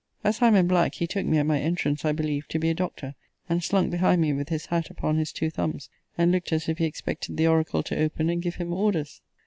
As I am in black, he took me, at my entrance, I believe, to be a doctor; and slunk behind me with his hat upon his two thumbs, and looked as if he expected the oracle to open, and give him orders.